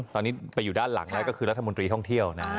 ตอนนี้ไปอยู่ด้านหลังแล้วก็คือรัฐมนตรีท่องเที่ยวนะ